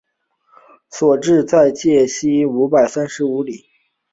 治所在戎州西五百三十五里。